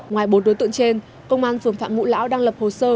ngoài bốn đối tượng trên công an phường phạm ngũ lão đang lập hồ sơ